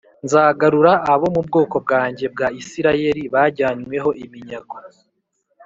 Nzagarura abo mu bwoko bwanjye bwa Isirayeli bajyanywe ho iminyago